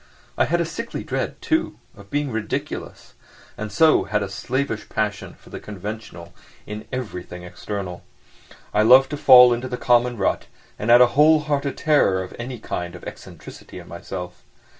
I had a sickly dread, too, of being ridiculous, and so had a slavish passion for the conventional in everything external. I loved to fall into the common rut, and had a whole hearted terror of any kind of eccentricity in myself.